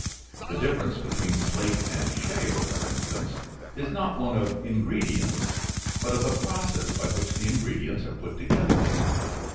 The difference between slate and shale, for instance, is not one of ingredients, but of the process by which the ingredients are put together.